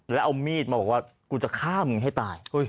แล้วเอามีดเค้ามึงบอกว่ามึกจะฆ่ามึงให้ตาย